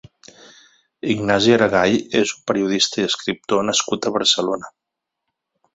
Ignasi Aragay és un periodista i escriptor nascut a Barcelona.